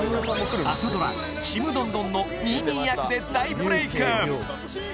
朝ドラ「ちむどんどん」のニーニー役で大ブレイク